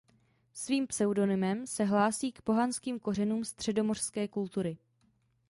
Svým pseudonymem se hlásí k pohanským kořenům středomořské kultury.